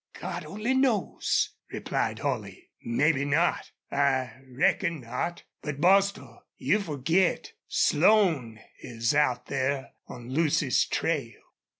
"God only knows!" replied Holley. "Mebbe not I reckon not! ... But, Bostil, you forget Slone is out there on Lucy's trail.